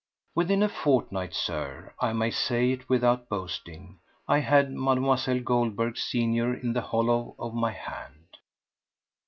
Within a fortnight, Sir—I may say it without boasting—I had Mlle. Goldberg senior in the hollow of my hand.